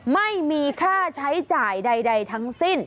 ไม่มีค่าใช้จ่ายใดทั้งสิ้น